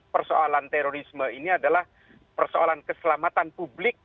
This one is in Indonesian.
persoalan terorisme ini adalah persoalan keselamatan publik